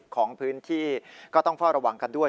ของพื้นที่ก็ต้องเฝ้าระวังกันด้วย